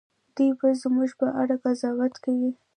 دوی به زموږ په اړه قضاوت کوي.